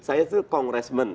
saya itu kongresmen